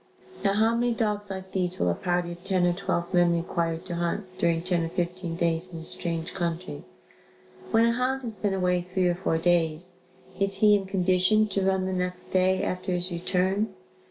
Now how many dogs like these will a party of ten or twelve men require to hunt, during ten or fifteen days in a strange country? When a hound has been away three or four days, is he in condition to run the next day after his return?